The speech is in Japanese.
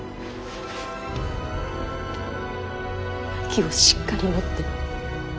気をしっかり持って。